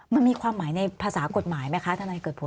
มันมีความหมายในภาษากฎหมายไหมคะทนายเกิดผล